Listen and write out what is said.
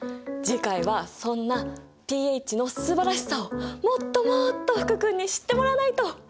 次回はそんなｐＨのすばらしさをもっともっと福君に知ってもらわないと！